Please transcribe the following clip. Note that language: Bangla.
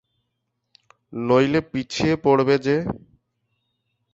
নইলে পিছিয়ে পড়বে যে।